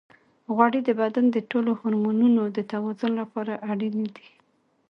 غوړې د بدن د ټولو هورمونونو د توازن لپاره اړینې دي.